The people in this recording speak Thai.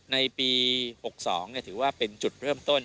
ในปี๖๒ถือว่าเป็นจุดเริ่มต้น